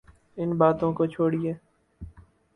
ان باتوں کو چھوڑئیے۔